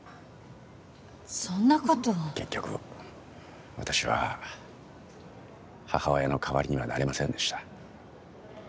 そんなこと結局私は母親のかわりにはなれませんでした